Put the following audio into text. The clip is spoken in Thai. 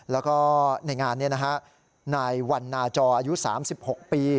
แล้วก็ในงานนี้นะฮะนายวันนาจออายุ๓๖ปี